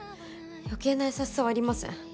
余計な優しさはいりません